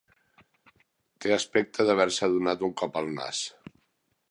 Té aspecte d'haver-se donat un cop al nas.